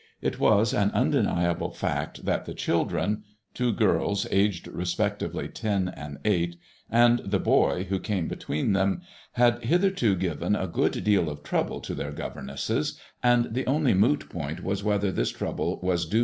It was an undeniable &ct that the children — two girls, aged respectively ten and eight, and the boy who came between them — had hitherto given a good deal of troable to their governesses, and the only moot point was whether this trouble was due MADBUOISKLLB IXS.